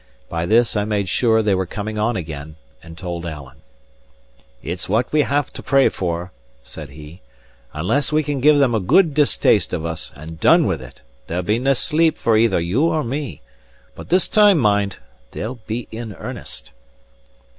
By this, I made sure they were coming on again, and told Alan. "It's what we have to pray for," said he. "Unless we can give them a good distaste of us, and done with it, there'll be nae sleep for either you or me. But this time, mind, they'll be in earnest."